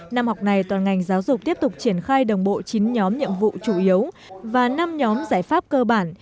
năm học này toàn ngành giáo dục tiếp tục triển khai đồng bộ chín nhóm nhiệm vụ chủ yếu và năm nhóm giải pháp cơ bản